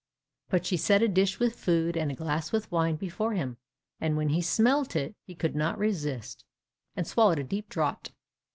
But she set a dish with food, and a glass with wine before him, and when he smelt it he could not resist, and swallowed a deep draught.